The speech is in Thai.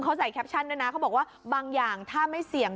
เขาใส่แคปชั่นด้วยนะเขาบอกว่าบางอย่างถ้าไม่เสี่ยง